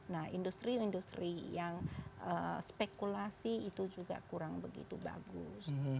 nah industri industri yang spekulasi itu juga kurang begitu bagus